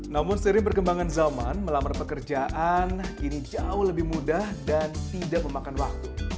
namun seiring perkembangan zaman melamar pekerjaan kini jauh lebih mudah dan tidak memakan waktu